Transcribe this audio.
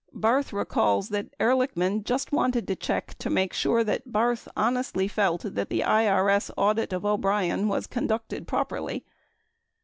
Barth recalls that Ehrlichman just wanted to check to make sure that Barth honestly felt that the IRS audit of O'Brien was conducted properly.